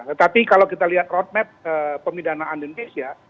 tetapi kalau kita lihat roadmap pemidanaan di indonesia